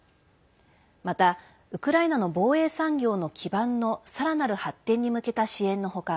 また、ウクライナの防衛産業の基盤のさらなる発展に向けた支援の他